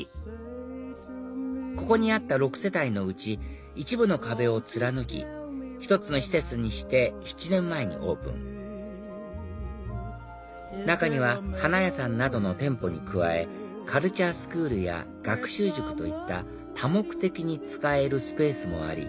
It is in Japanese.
ここにあった６世帯のうち一部の壁を貫き１つの施設にして７年前にオープン中には花屋さんなどの店舗に加えカルチャースクールや学習塾といった多目的に使えるスペースもあり